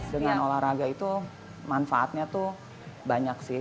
dengan olahraga itu manfaatnya tuh banyak sih